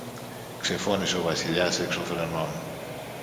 ξεφώνισε ο Βασιλιάς έξω φρενών.